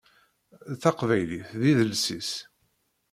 Taqbaylit d idles-is.